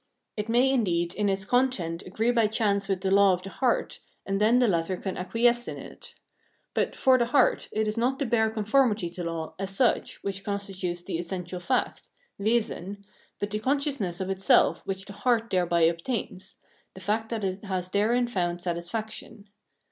It may, indeed, in its content agree by chance with the law of the heart, and then the latter can acquiesce in it. But, for the heart, it is not the bare conformity to law as such which constitutes the essential fact (Wesen), but the consciousness of itself which the "heart" thereby obtains, the fact that it has therein found satisfaction.